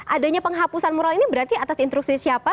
adanya penghapusan mural ini berarti atas instruksi siapa